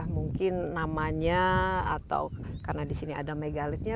mungkin namanya atau karena disini ada megalitnya